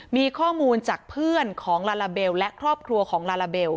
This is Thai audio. มีข้อมูลจากเพื่อนของลาลาเบลและครอบครัวของลาลาเบล